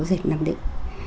dịch nam định